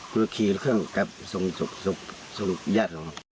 ก็ขี่เครื่องกับส่งญาติของมัน